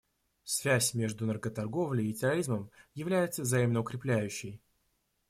Связь между наркоторговлей и терроризмом является взаимно укрепляющей.